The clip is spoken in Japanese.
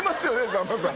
さんまさん